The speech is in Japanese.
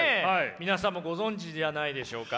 皆さんもご存じじゃないでしょうか。